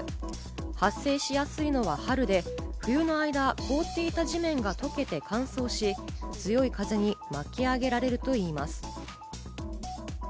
発生しやすいのは春で、冬に凍っていた地面が溶けて乾燥し、強い風に巻き上げられるといいます。